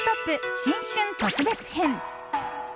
新春特別編。